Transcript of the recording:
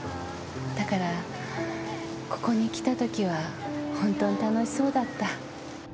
だからここに来たときは本当に楽しそうだった。